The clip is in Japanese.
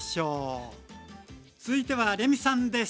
続いてはレミさんです。